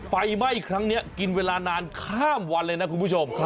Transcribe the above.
ไฟไหม้ครั้งนี้กินเวลานานข้ามวันเลยนะคุณผู้ชม